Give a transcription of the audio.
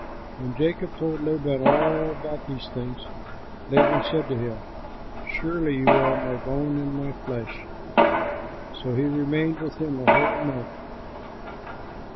When Jacob told Laban all about these things, Laban said to him, "Surely you are my bone and my flesh." So he remained with him a whole month.